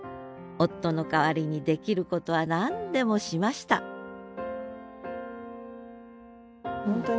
夫の代わりにできることは何でもしました４歳と１歳８か月。